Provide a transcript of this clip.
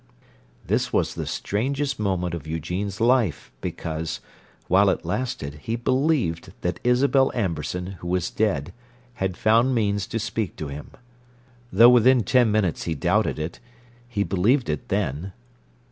This was the strangest moment of Eugene's life, because, while it lasted, he believed that Isabel Amberson, who was dead, had found means to speak to him. Though within ten minutes he doubted it, he believed it then.